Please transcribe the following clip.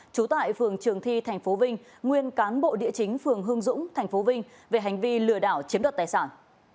trú tại phường trường thi tp vinh nguyên cán bộ địa chính phường hương dũng tp vinh về hành vi lừa đảo chiếm đoạt tài sản